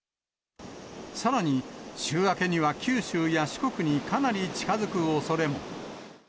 さらに、週明けには九州や四国にかなり近づくおそれも。